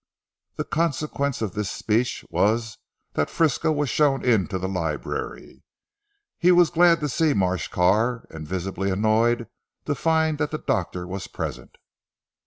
The consequence of this speech was that Frisco was shown into the library. He was glad to see Marsh Carr and visibly annoyed to find that the doctor was present.